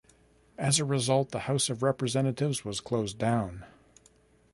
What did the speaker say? As a result, the House of Representatives was closed down.